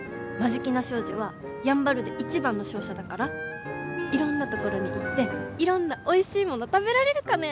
眞境名商事はやんばるで一番の商社だからいろんなところに行っていろんなおいしいもの食べられるかね。